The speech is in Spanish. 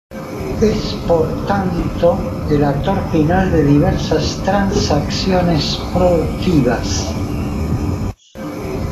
Es por tanto el actor final de diversas transacciones productivas.